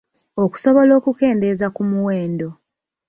Okusobola okukendeeza ku muwendo.